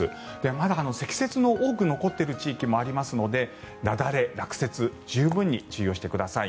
まだ積雪の多く残っている地域もありますので雪崩、落雪に十分注意をしてください。